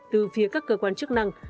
từ phía các cơ quan chức năng